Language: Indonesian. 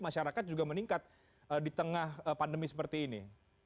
masyarakat juga meningkat di tengah pandemi seperti ini